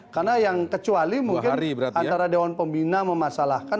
karena yang kecuali mungkin antara dewan pembina memasalahkan